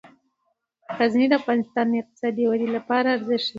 غزني د افغانستان د اقتصادي ودې لپاره ارزښت لري.